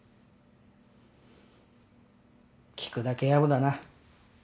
聞くだけやぼだな。